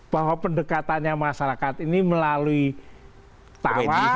bahwa pendekatannya masyarakat ini melalui tawa